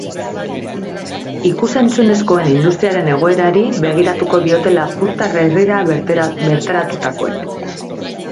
Ikus-entzunezkoen industriaren egoerari begiratuko diote lapurtar herrira bertaratutakoek.